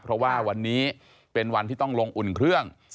เพราะว่าวันนี้เป็นวันที่ต้องลงอุ่นเครื่อง